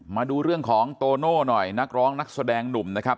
มาดูเรื่องของโตโน่หน่อยนักร้องนักแสดงหนุ่มนะครับ